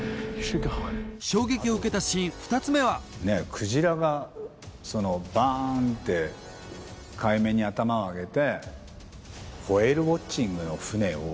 クジラがバンって海面に頭を上げて。